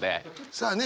さあね